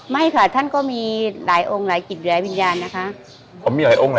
ไม่ค่ะท่านก็มีหลายองศ์หลายกิจหลายวิญญาณนะคะ